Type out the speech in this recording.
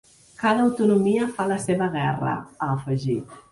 Cada autonomia fa la seva guerra, ha afegit.